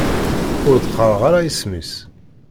Ur d-qqareɣ ara isem-is.